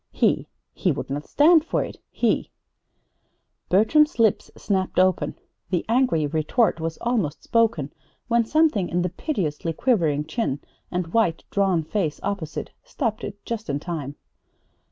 He he would not stand for it! He Bertram's lips snapped open. The angry retort was almost spoken when something in the piteously quivering chin and white, drawn face opposite stopped it just in time.